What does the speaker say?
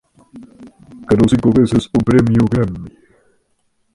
Ganó cinco veces un Premio Grammy.